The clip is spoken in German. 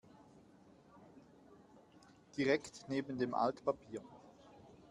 Direkt neben dem Altpapier.